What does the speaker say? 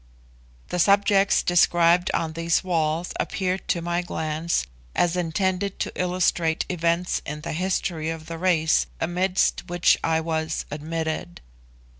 The subjects described on these walls appeared to my glance as intended to illustrate events in the history of the race amidst which I was admitted.